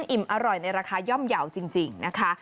อิ่มอร่อยในราคาย่อมเยาว์จริงนะคะ